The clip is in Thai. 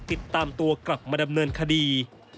ติดตามตัวกลับมาดำเนินคดี